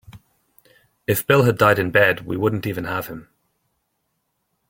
If Bill had died in bed we wouldn't even have him.